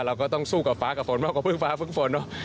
เราก็ต้องสู้กับฟ้ากับฝนมากกว่าพึ่งฟ้าพึ่งฝนเนอะ